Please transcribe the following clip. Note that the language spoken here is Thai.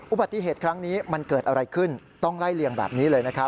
อุบัติเหตุครั้งนี้มันเกิดอะไรขึ้นต้องไล่เลี่ยงแบบนี้เลยนะครับ